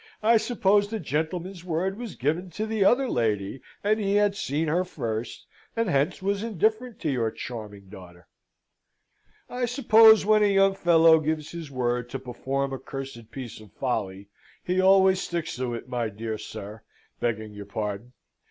"I suppose the gentleman's word was given to the other lady, and he had seen her first, and hence was indifferent to your charming daughter." "I suppose when a young fellow gives his word to perform a cursed piece of folly, he always sticks to it, my dear sir, begging your pardon.